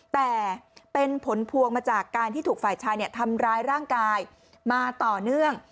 แต่เป็นผลพวงมาจากการที่ถูกฝ่ายชายทำร้ายร่างกายมาต่อเนื่อง